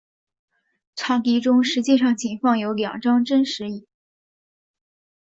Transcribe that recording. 场地中实际上仅放有两张真实椅。